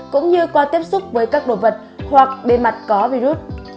cũng như qua tiếp xúc với các đồ vật hoặc bề mặt có virus